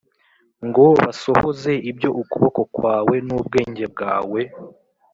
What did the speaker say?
ngo basohoze ibyo ukuboko kwawe n ubwenge bwawe